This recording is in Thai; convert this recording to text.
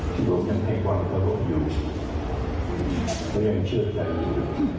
ที่ผมยังทัยวันเข้าโรญอยู่และยังเชื่อใจอยู่